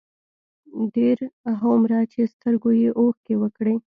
ډېر هومره چې سترګو يې اوښکې وکړې،